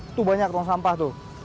itu banyak tong sampah tuh